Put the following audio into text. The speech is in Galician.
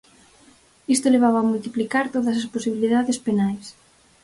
Isto levaba a multiplicar todas as posibilidades penais.